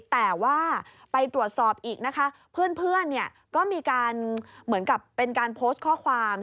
แต่ว่าไปตรวจสอบอีกนะคะเพื่อนเนี่ยก็มีการเหมือนกับเป็นการโพสต์ข้อความ